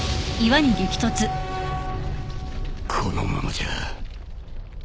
このままじゃ